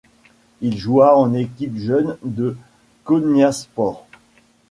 Il joua en équipe jeune de Konyaspor.